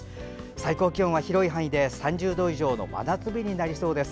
最高気温は広い範囲で３０度以上の真夏日になりそうです。